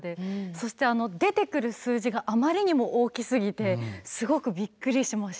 そして出てくる数字があまりにも大きすぎてすごくびっくりしました。